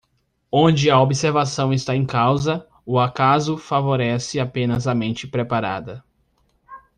Onde a observação está em causa, o acaso favorece apenas a mente preparada.